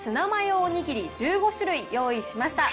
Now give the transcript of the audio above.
お握り１５種類用意しました。